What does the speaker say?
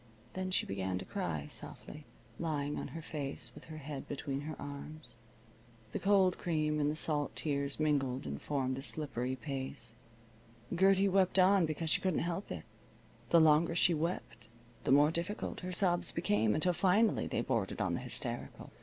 Then she began to cry softly, lying on her face with her head between her arms. The cold cream and the salt tears mingled and formed a slippery paste. Gertie wept on because she couldn't help it. The longer she wept the more difficult her sobs became, until finally they bordered on the hysterical.